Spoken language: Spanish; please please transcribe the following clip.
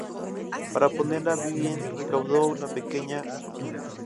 Para ponerla a buen recaudo, la pequeña Georgette es enviada a Bretaña.